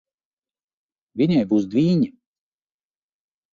Viņai būs dvīņi.